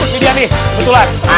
jadi ini kebetulan